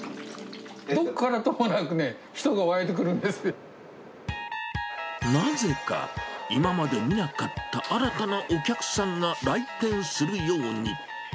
どっからともなくね、なぜか、今まで見なかった新たなお客さんが来店するように。